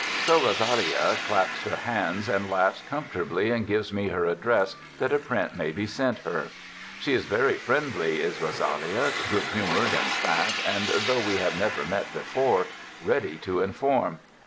So Rosalia claps her hands and laughs comfortably and gives me her address that a print may be sent her. She is very friendly, is Ro salia, good humored and fat, and, though we have never met before, ready to inform.